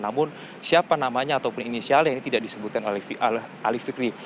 namun siapa namanya ataupun inisialnya ini tidak disebutkan oleh ali fikri